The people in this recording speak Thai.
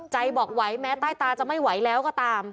ใจบอกไหวแม้ใต้ตาจะไม่ไหวแล้วก็ตาม